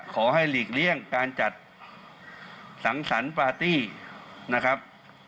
หลีกเลี่ยงการจัดสังสรรค์ปาร์ตี้นะครับ